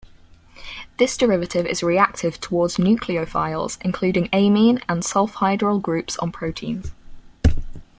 This derivative is reactive towards nucleophiles including amine and sulfhydryl groups on proteins.